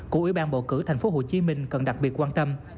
của ủy ban bầu cử thành phố hồ chí minh cần đặc biệt quan tâm